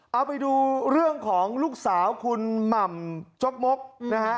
เอาไปดูเรื่องของลูกสาวคุณหม่ำจกมกนะฮะ